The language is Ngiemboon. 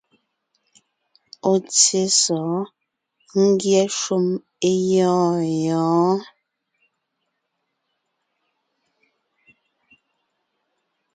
Ɔ̀ tsyé sɔ̌ɔn ngyɛ́ shúm é gyɔ̂ɔn gyɔ̌ɔn.